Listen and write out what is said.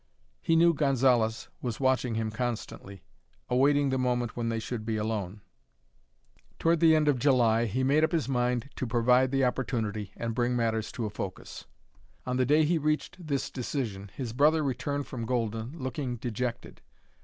He knew Gonzalez was watching him constantly, awaiting the moment when they should be alone. Toward the end of July he made up his mind to provide the opportunity and bring matters to a focus. On the day he reached this decision his brother returned from Golden looking dejected.